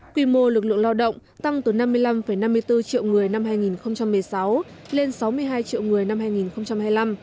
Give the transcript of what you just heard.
quy mô lực lượng lao động tăng từ năm mươi năm năm mươi bốn triệu người năm hai nghìn một mươi sáu lên sáu mươi hai triệu người năm hai nghìn hai mươi năm